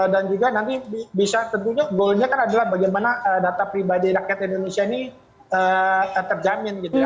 dan juga nanti bisa tentunya goalnya kan adalah bagaimana data pribadi rakyat indonesia ini terjamin gitu ya